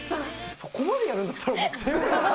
そこまでやるんだったら全部。